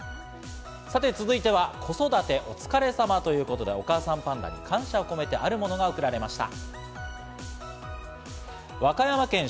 続いては、子育てお疲れさまということで、お母さんパンダに感謝を込めてあるものが送られました。